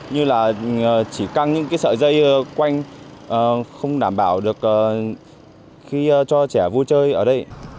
như là chỉ căng những cái sợi dây quanh không đảm bảo được khi cho trẻ vui chơi ở đây